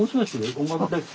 小川です。